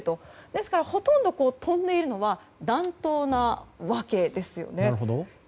ですからほとんど飛んでいるのは弾頭なわけですよね。